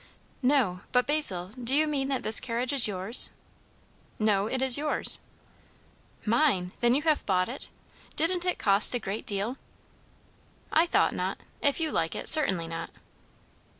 "No. But Basil, do you mean that this carriage is yours?" "No; it is yours." "Mine! then you have bought it! Didn't it cost a great deal?" "I thought not. If you like it, certainly not."